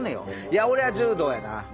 いや俺は柔道やな。